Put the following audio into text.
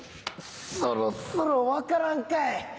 そろそろ分からんかい。